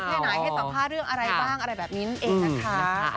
ไหนให้สัมภาษณ์เรื่องอะไรบ้างอะไรแบบนี้นั่นเองนะคะ